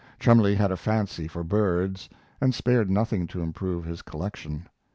Cholmondeley had a fancy for birds, and spared nothing to improve his collection.